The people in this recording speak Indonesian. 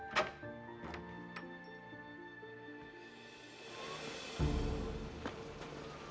tante aku mau pergi